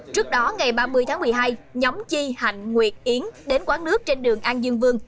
trước đó ngày ba mươi tháng một mươi hai nhóm chi hạnh nguyệt yến đến quán nước trên đường an dương vương